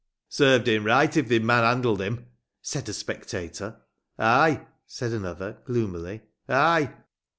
"Served him right if they'd man handled him!" said a spectator. "Ay!" said another, gloomily, "ay!